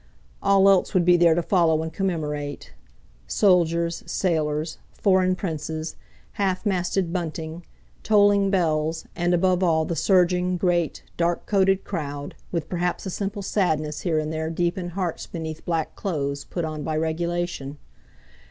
All else would be there to follow and commemorate—soldiers, sailors, foreign princes, half masted bunting, tolling bells, and above all the surging, great, dark coated crowd, with perhaps a simple sadness here and there deep in hearts beneath black clothes put on by regulation.